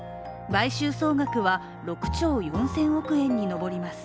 買収総額は６兆４０００億円に上ります。